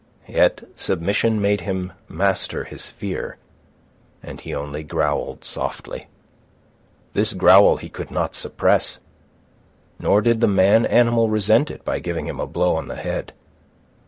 Yet submission made him master his fear, and he only growled softly. This growl he could not suppress; nor did the man animal resent it by giving him a blow on the head.